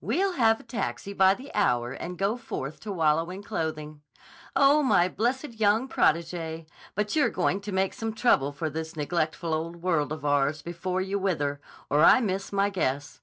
"We'll have a taxi by the hour and go forth to wallow in clothing. Oh, my blessed young protégée, but you're going to make some trouble for this neglectful old world of ours before you wither, or I miss my guess."